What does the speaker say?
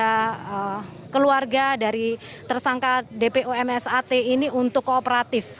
kepada keluarga dari tersangka dpo msat ini untuk kooperatif